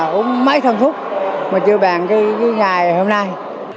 cũng mấy thân phúc mà chưa bàn cái ngày hôm nay